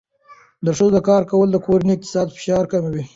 د ښځو کار کول د کورنۍ اقتصادي فشار کموي.